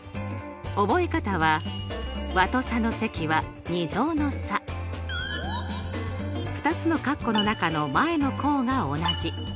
覚え方は２つのかっこの中の前の項が同じ。